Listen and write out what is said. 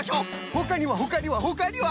ほかにはほかにはほかには？